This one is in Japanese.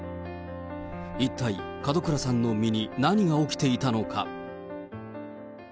一体、門倉さんの身に何が起きていたのか。